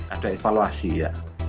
ada evaluasi ya